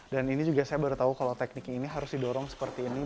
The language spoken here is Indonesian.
dan ini juga saya baru tahu kalau teknik ini harus didorong seperti ini